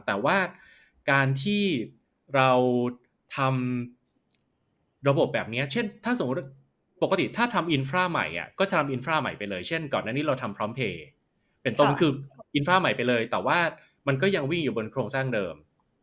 แต่ว่าการที่เราทำระบบแบบนี้เช่นถ้าสมมุติปกติถ้าทำอินทราใหม่ก็จะทำอินทราใหม่ไปเลยเช่นก่อนอันนี้เราทำพร้อมเพลย์เป็นต้นคืออินทราใหม่ไปเลยแต่ว่ามันก็ยังวิ่งอยู่บนโครงสร้างเดิม